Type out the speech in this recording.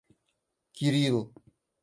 Кирилл